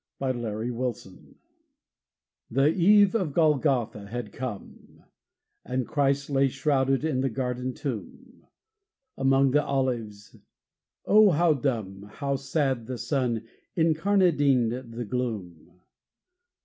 THE EMPTY CROSS The eve of Golgotha had come, And Christ lay shrouded in the garden Tomb: Among the olives, Oh, how dumb, How sad the sun incarnadined the gloom!